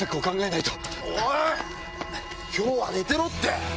今日は寝てろって！